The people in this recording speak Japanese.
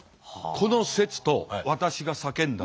この説と私が叫んだ説。